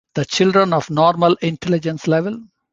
The children are of normal intelligence level.